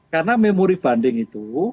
karena memori banding itu